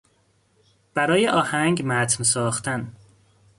برای آهنگ متن ساختن